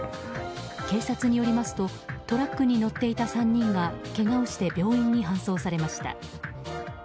警察によりますとトラックに乗っていた３人がけがをして病院に搬送されました。